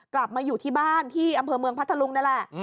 กลับมาอยู่ที่บ้านที่อำเภอเมืองพัทธลุงนั่นแหละ